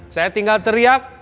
saya tinggal teriak